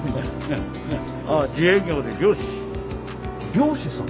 漁師さん？